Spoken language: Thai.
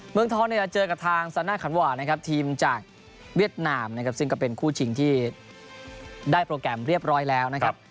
เมืองทองเนี่ยเจอกับทางซาน่าขันหวานะครับทีมจากเวียดนามนะครับซึ่งก็เป็นคู่ชิงที่ได้โปรแกรมเรียบร้อยแล้วนะครับ